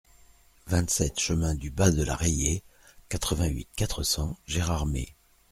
vingt-sept chemin du Bas de la Rayée, quatre-vingt-huit, quatre cents, Gérardmer